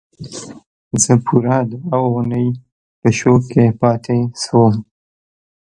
زه پوره دوه اونۍ په شوک کې پاتې شوم